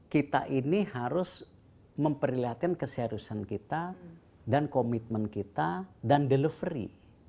kita ini harus memperlihatkan keseriusan kita dan komitmen kita dan delivery